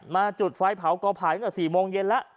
จุดไฟเผากอไผ่ตั้งแต่๔โมงเย็นแล้ว